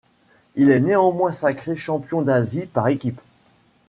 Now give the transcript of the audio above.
Il est néanmoins sacré champion d'Asie par équipes.